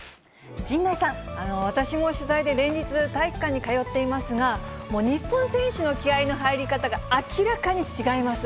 私も取材で連日、体育館に通っていますが、日本選手の気合いの入り方が明らかに違います。